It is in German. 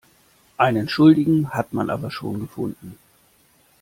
Einen Schuldigen hat man aber schon gefunden.